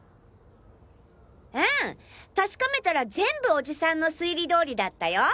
確かめたら全部オジさんの推理どおりだったよ。